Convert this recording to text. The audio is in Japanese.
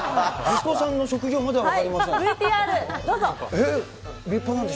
息子さんの職業までは分かりません。